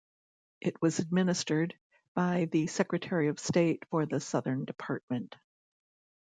It was administered by the Secretary of State for the Southern Department.